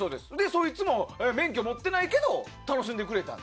そいつも免許を持ってないけど楽しんでくれた。